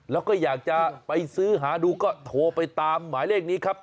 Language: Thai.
แล้วก็อยากจะไปซื้อหาดูก็โทรไปตามหมายเลขนี้ครับ